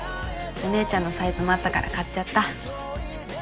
お姉ちゃんのサイズもあったから買っちゃった。